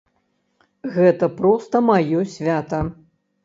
Гэта проста маё свята.